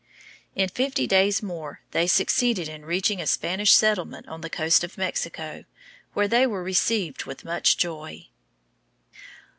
In fifty days more they succeeded in reaching a Spanish settlement on the coast of Mexico, where they were received with much joy.